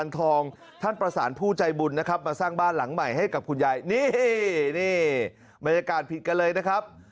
การผิดกันเลยนะครับ